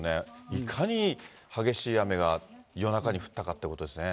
いかに激しい雨が夜中に降ったかってことですね。